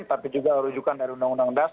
tapi juga rujukan dari undang undang dasar